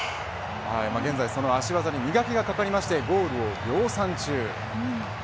現在、その足技に磨きがかかってゴールを量産中。